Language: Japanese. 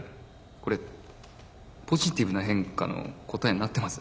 これ「ポジティブな変化」の答えになってます？